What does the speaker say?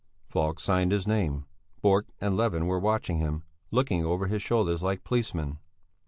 Falk signed his name. Borg and Levin were watching him, looking over his shoulders like policemen.